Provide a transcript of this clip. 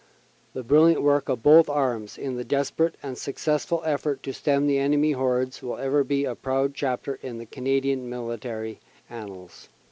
The brilliant work of both arms in the desper ate and successful effort to stem the enemy hordes will ever be a proud chapter in Canadian military annals.